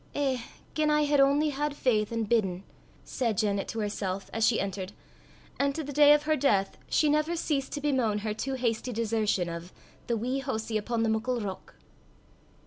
"Eh, gien I had only had faith an' bidden!" said Janet to herself as she entered; and to the day of her death she never ceased to bemoan her too hasty desertion of "the wee hoosie upo' the muckle rock."